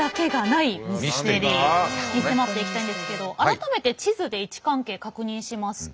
に迫っていきたいんですけど改めて地図で位置関係確認しますと。